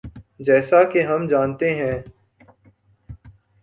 جیسا کہ ہم جانتے ہیں۔